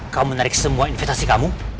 kau menarik semua investasi kamu